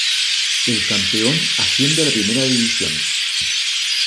El campeón asciende a la Primera División.